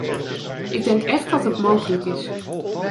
Ik denk echt dat het mogelijk is.